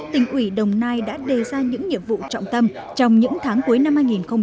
tỉnh ủy đồng nai đã đề ra những nhiệm vụ trọng tâm trong những tháng cuối năm hai nghìn hai mươi